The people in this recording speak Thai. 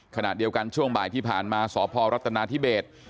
ขณะเดียวกันช่วงบ่ายที่ผ่านมาสพรัฐนาธิเบส